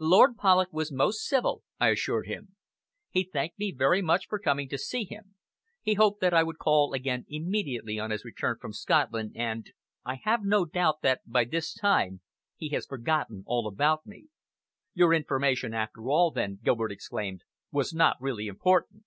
"Lord Polloch was most civil," I assured him. "He thanked me very much for coming to see him. He hoped that I would call again immediately on his return from Scotland, and I have no doubt that by this time he has forgotten all about me." "Your information, after all, then," Gilbert exclaimed, "was not really important!"